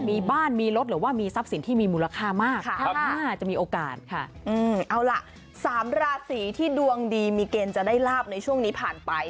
เอาล่ะ๓ราศสีที่ดวงดีมีการจะได้ลาบในช่วงนี้ผ่านไป